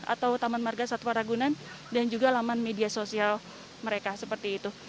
atau taman marga satwa ragunan dan juga laman media sosial mereka seperti itu